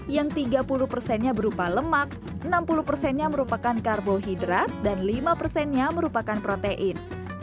yang tiga puluh persennya berupa lemak enam puluh persennya merupakan karbohidrat dan lima persennya merupakan protein